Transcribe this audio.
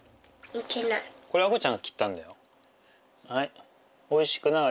これ亜瑚ちゃんが切ったんだよ。